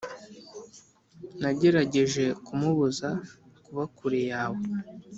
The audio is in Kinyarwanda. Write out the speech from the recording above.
nagerageje kumubuza kuba kure yawe.